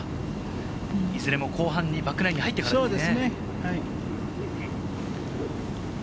いずれも後半、バックナインに入ってからですね。